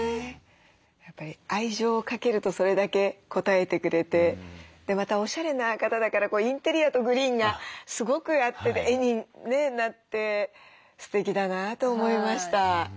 やっぱり愛情をかけるとそれだけ応えてくれてまたおしゃれな方だからインテリアとグリーンがすごく合って絵になってすてきだなと思いました。